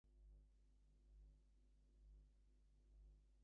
For this film's script, she collaborated with her former partner, Peter Weibel.